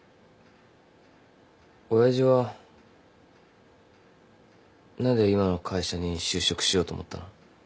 親父は何で今の会社に就職しようと思ったの？